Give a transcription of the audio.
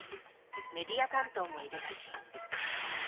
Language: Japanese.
メディア担当もいるらしい。